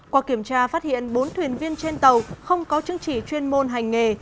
qua kiểm tra phát hiện bốn thuyền viên trên tàu không có chứng chỉ chuyên môn hành nghề